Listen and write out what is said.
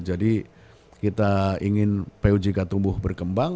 jadi kita ingin pujk tumbuh berkembang